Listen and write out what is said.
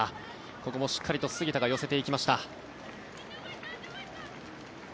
ここもしっかりと杉田が寄せていきました。